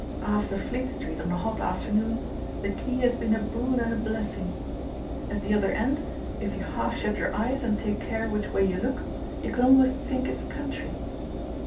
After Fleet Street on a hot afternoon the key has been a boon and a blessing. At the other end, if you half shut your eyes and take care which way you look, you can almost think it's country.